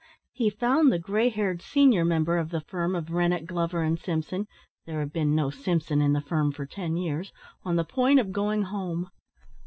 He found the grey haired senior member of the firm of Rennett, Glover and Simpson (there had been no Simpson in the firm for ten years) on the point of going home.